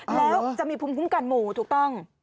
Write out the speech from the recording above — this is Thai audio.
แล้วจะมีภูมิคุ้มกันหมู่ถูกต้อง